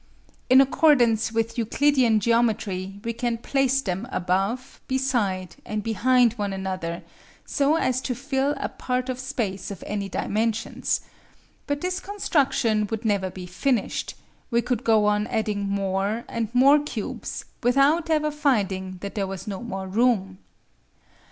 In accordance with Euclidean geometry we can place them above, beside, and behind one another so as to fill a part of space of any dimensions; but this construction would never be finished; we could go on adding more and more cubes without ever finding that there was no more room.